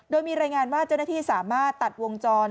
โดยมีรายงานว่าเจ้าหน้าที่สามารถตัดวงจร